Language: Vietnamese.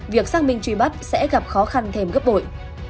việc xác minh truy bắt sẽ gặp khó khăn thêm gấp bội